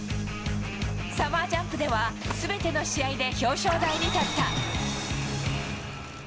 サマージャンプでは、すべての試合で表彰台に立った。